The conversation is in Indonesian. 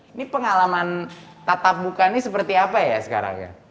ini pengalaman tatap muka ini seperti apa ya sekarang ya